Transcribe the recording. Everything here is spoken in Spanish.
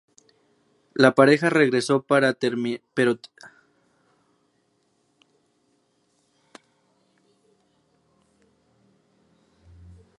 La pareja regresó pero terminaron cuando Nick se fue de la bahía, dejándola destrozada.